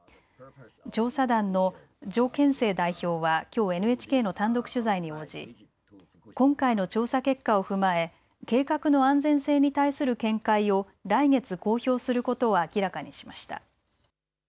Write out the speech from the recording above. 調査団の徐献星代表はきょうＮＨＫの単独取材に応じ今回の調査結果を踏まえ計画の安全性に対する見解を来月公表することを明らかにしました。